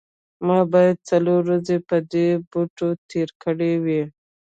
ما باید څلور ورځې په دې بوټو تیرې کړې وي